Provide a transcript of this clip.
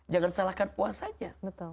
jangan salahkan puasanya